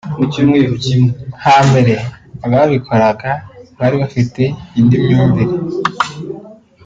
Hambere ababikoraga bari bafite indi myumvire